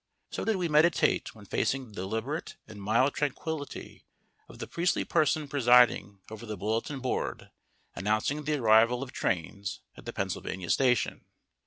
So did we meditate when facing the deliberate and mild tranquillity of the priestly person presiding over the bulletin board announcing the arrival of trains at the Pennsylvania Station.